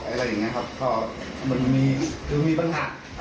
อะไรอย่างนี้ครับก็มันมีคือมีปัญหา